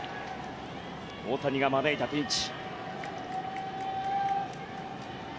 大谷が招いたピンチ。